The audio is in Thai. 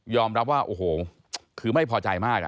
รับว่าโอ้โหคือไม่พอใจมาก